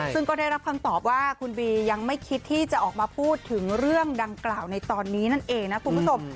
ซึ่งก็ได้รับคำตอบว่าคุณบียังไม่คิดที่จะออกมาพูดถึงเรื่องดังกล่าวในตอนนี้นั่นเองนะคุณผู้ชม